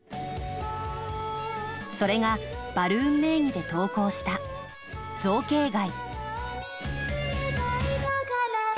それがバルーン名義で投稿した「造形街」。